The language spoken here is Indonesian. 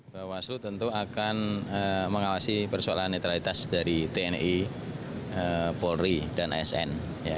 bawaslu tentu akan mengawasi persoalan netralitas dari tni polri dan asn